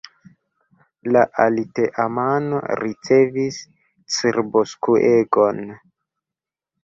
La aliteamano ricevis cerboskuegon.